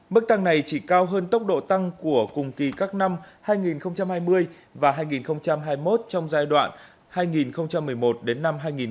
mức tăng này chỉ cao hơn tốc độ tăng của cùng kỳ các năm hai nghìn hai mươi và hai nghìn hai mươi một trong giai đoạn hai nghìn một mươi một đến năm hai nghìn hai mươi